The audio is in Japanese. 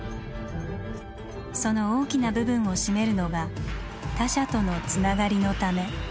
その大きな部分を占めるのが他者との「つながり」のため。